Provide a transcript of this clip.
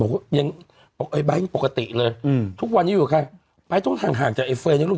บอกว่ายังบ๊ายยังปกติเลยอืมทุกวันยังอยู่กับใครบ๊ายยต้องห่างห่างจากไอ้เฟยย์เนี้ยลูก